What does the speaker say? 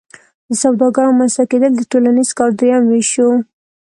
د سوداګر رامنځته کیدل د ټولنیز کار دریم ویش شو.